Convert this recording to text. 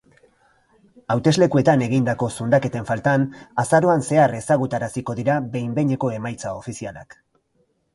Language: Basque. Hauteslekuetan egindako zundaketen faltan, azaroan zehar ezagutaraziko dira behin-behineko emaitza ofizialak.